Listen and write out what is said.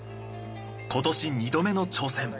今年２度目の挑戦。